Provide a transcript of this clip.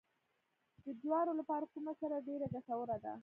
د جوارو لپاره کومه سره ډیره ګټوره ده؟